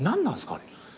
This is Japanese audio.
あれ。